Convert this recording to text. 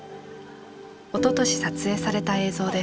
おととし撮影された映像です。